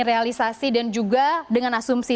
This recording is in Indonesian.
realisasi dan juga dengan asumsi